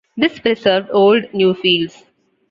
This preserved old Newfields.